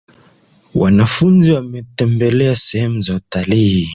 Wanafunzi wametembelea sehemu za utalii.